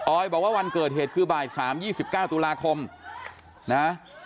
บอกว่าวันเกิดเหตุคือบ่าย๓๒๙ตุลาคมนะ